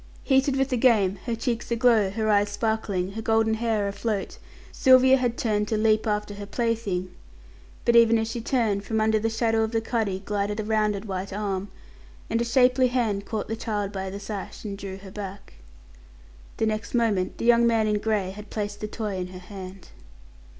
Heated with the game, her cheeks aglow, her eyes sparkling, her golden hair afloat, Sylvia had turned to leap after her plaything, but even as she turned, from under the shadow of the cuddy glided a rounded white arm; and a shapely hand caught the child by the sash and drew her back. The next moment the young man in grey had placed the toy in her hand.